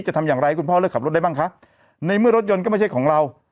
จะทำอย่างไรคุณพ่อเลือกขับรถได้บ้างคะในเมื่อรถยนต์ก็ไม่ใช่ของเรา